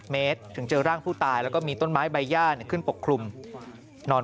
เมตรถึงเจอร่างผู้ตายแล้วก็มีต้นไม้ใบย่าขึ้นปกคลุมนอน